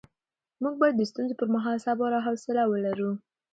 موږ باید د ستونزو پر مهال صبر او حوصله ولرو